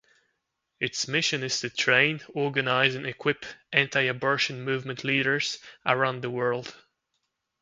Its mission is to train, organize and equip anti-abortion movement leaders around the world.